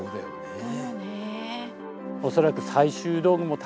本当よね。